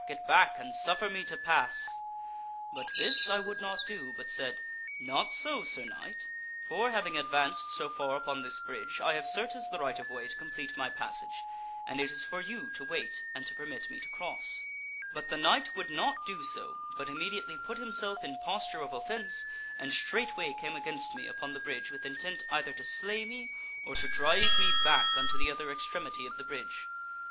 get back ! and suffer me to pass !' But this I would not do, but said, * Not so, Sir Knight, for, having advanced so far upon this bridge, I have certes the right of way to complete my passage, and it is for you to wait and to permit me to cross/ But the knight would not do so, but immediately put himself in posture of offence and straightway came against me upon the bridge with intent either to slay me or to drive me back unto the other extremity of the bridge.